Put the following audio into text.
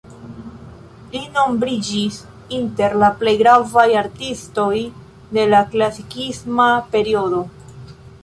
Li nombriĝis inter la plej gravaj artistoj de la klasikisma periodo.